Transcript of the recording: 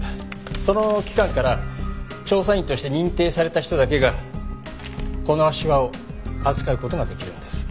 その機関から調査員として認定された人だけがこの足環を扱う事ができるんです。